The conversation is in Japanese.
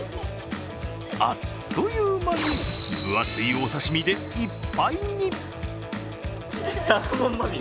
あっという間に分厚いお刺身でいっぱいに。